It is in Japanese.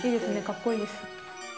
かっこいいです。